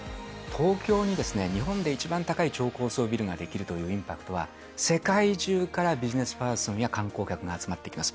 東京に日本で一番高い超高層ビルが出来るというインパクトは、世界中からビジネスパーソンや観光客が集まってきます。